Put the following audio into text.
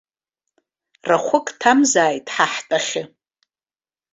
Рахәык ҭамзааит ҳа ҳтәахьы.